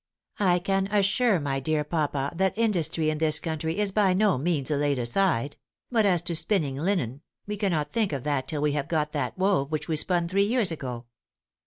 I can assure my dear papa that industry in this country is by no means laid aside; but as to spinning linen, we cannot think of that till we have got that wove which we spun three years ago.